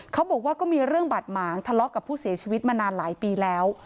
เขาบอกว่าก็มีเรื่องบาดหมางทะเลาะกับผู้เสียชีวิตมานานหลายปีแล้ว